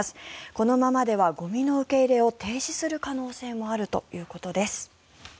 このままではゴミの受け入れを停止する可能性もあるということです。